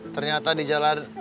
ternyata di jalan